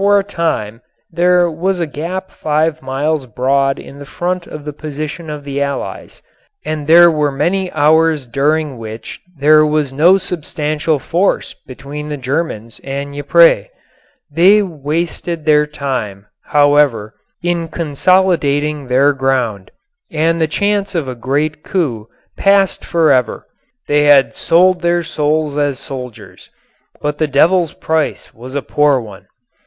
For a time there was a gap five miles broad in the front of the position of the Allies, and there were many hours during which there was no substantial force between the Germans and Ypres. They wasted their time, however, in consolidating their ground, and the chance of a great coup passed forever. They had sold their souls as soldiers, but the Devil's price was a poor one.